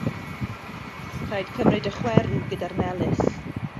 Rhaid cymryd y chwerw gyda'r melys.